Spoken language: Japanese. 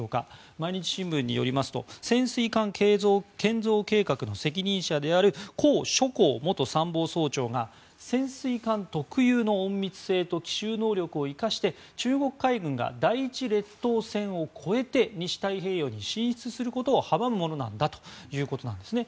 毎日新聞によりますと潜水艦建造計画の責任者であるコウ・ショコウ元参謀総長が潜水艦特有の隠密性と奇襲能力を生かして中国海軍が第一列島線を越えて西太平洋に進出することを阻むものなんだということなんですね。